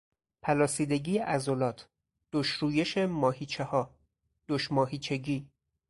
پلاسیدگی عضلات، دشرویش ماهیچهها، دشماهیچگی